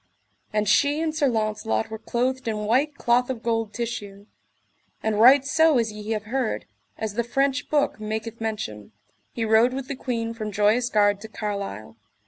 And she and Sir Launcelot were clothed in white cloth of gold tissue; and right so as ye have heard, as the French book maketh mention, he rode with the queen from Joyous Gard to Carlisle.